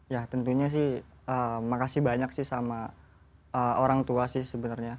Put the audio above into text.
ya tentunya sih makasih banyak sih sama orang tua sih sebenarnya